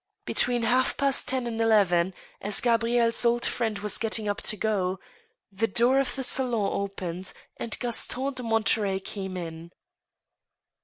Between half past ten and eleven, as Gabrielle's old friend was getting up to go, the door of the salon opened and Gaston de Mon terey came in.